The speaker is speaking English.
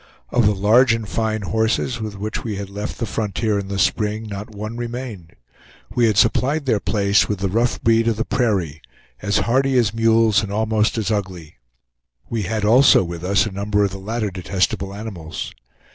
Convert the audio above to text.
Of the large and fine horses with which we had left the frontier in the spring, not one remained; we had supplied their place with the rough breed of the prairie, as hardy as mules and almost as ugly; we had also with us a number of the latter detestable animals.